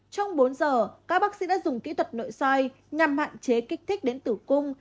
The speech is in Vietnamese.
trong bốn giờ các bác sĩ đã dùng kỹ thuật nội soi nhằm hạn chế kích thích đến tử cung